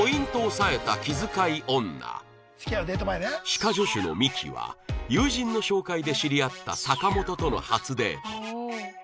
歯科助手のミキは友人の紹介で知り合った坂本との初デート